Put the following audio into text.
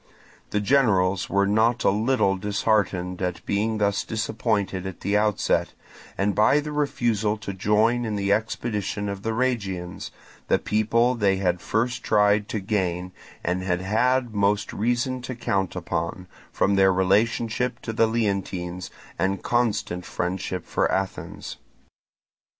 The generals were not a little disheartened at being thus disappointed at the outset, and by the refusal to join in the expedition of the Rhegians, the people they had first tried to gain and had had had most reason to count upon, from their relationship to the Leontines and constant friendship for Athens.